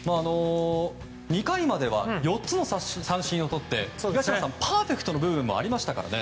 ２回までは４つの三振をとって東山さん、パーフェクトな部分もありましたからね。